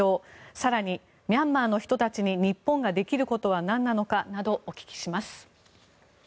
更に、ミャンマーの人たちに日本ができることはなんなのかなどお聞きします。